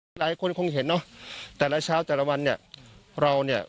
ลุงพลบอกว่ามันก็เป็นการทำความเข้าใจกันมากกว่าเดี๋ยวลองฟังดูค่ะ